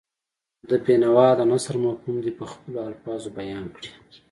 د بېنوا د نثر مفهوم دې په خپلو الفاظو بیان کړي.